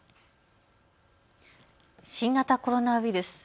新型コロナウイルス